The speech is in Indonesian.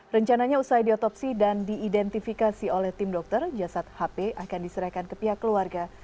rencananya usai diotopsi dan diidentifikasi oleh tim dokter jasad hp akan diserahkan ke pihak keluarga